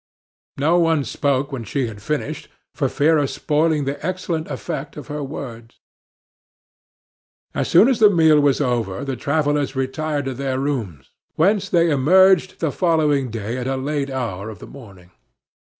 No one spoke when she had finished for fear of spoiling the excellent effect of her words. As soon as the meal was over the travellers retired to their rooms, whence they emerged the following day at a late hour of the morning.